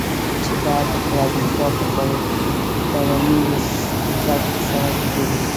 چې بايد د فلادلفيا په بلوويو هوټل کې سره وګوري.